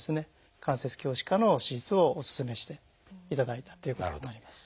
関節鏡視下の手術をお勧めさせていただいたということになります。